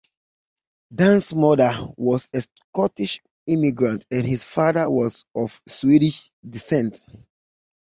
Dan's mother was a Scottish immigrant, and his father was of Swedish descent.